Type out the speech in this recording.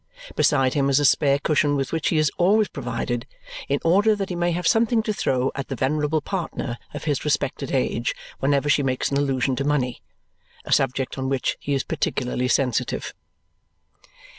Beside him is a spare cushion with which he is always provided in order that he may have something to throw at the venerable partner of his respected age whenever she makes an allusion to money a subject on which he is particularly sensitive.